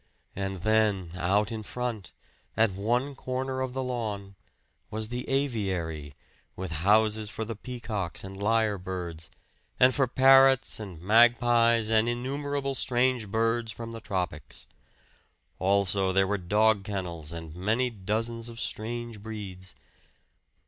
And then out in front, at one corner of the lawn, was the aviary, with houses for the peacocks and lyre birds, and for parrots and magpies and innumerable strange birds from the tropics. Also there were dog kennels with many dozens of strange breeds.